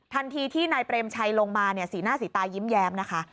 ทันทีที่นายเปรมชัยลงมาสีหน้าสีตายิ้มแย้มนะคะ